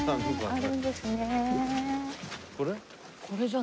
これ？